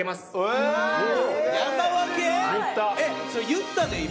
言ったで、今。